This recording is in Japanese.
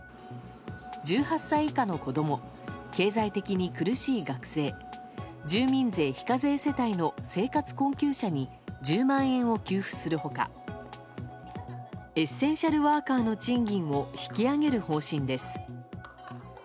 １８歳以下の子供経済的に苦しい学生住民税非課税世帯の生活困窮者に１０万円を給付する他エッセンシャルワーカーの賃金を引き上げる方針です。